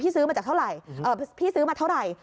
ซื้อมาจากเท่าไหร่พี่ซื้อมาเท่าไหร่